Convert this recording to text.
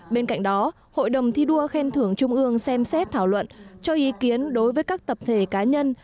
bên cạnh đó hội đồng thi đua khen thưởng trung ương xem xét thảo luận cho ý kiến đối với các tập thể cá nhân